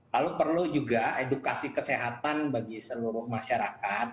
lalu perlu juga edukasi kesehatan bagi seluruh masyarakat